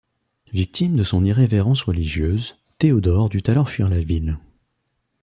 Victime de son irrévérence religieuse, Théodore dut alors fuir la ville.